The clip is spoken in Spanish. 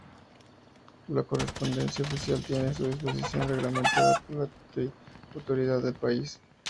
La correspondencia Oficial tiene su disposición reglamentada por la autoridad del país.